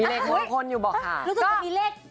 เลขทุอคนอยู่เหรอค่ะ